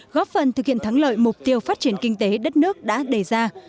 góp phần thực hiện thắng lợi mục tiêu phát triển kinh tế đất nước đã đề ra